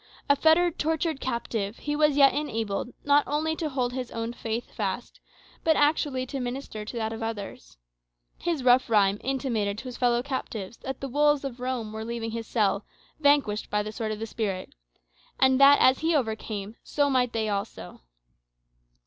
A fettered, tortured captive, he was yet enabled, not only to hold his own faith fast, but actually to minister to that of others. His rough rhyme intimated to his fellow captives that "the wolves" of Rome were leaving his cell, vanquished by the sword of the Spirit. And that, as he overcame, so might they also.